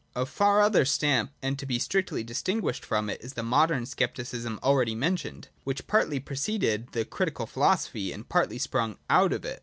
Of far other stamp, and to be strictly distinguished from it, is the modern Scepticism already mentioned (§ 39), which partly preceded the Critical Philosophy, and partly sprung out of it.